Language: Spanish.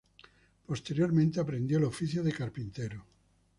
Posteriormente, aprendió el oficio de carpintero.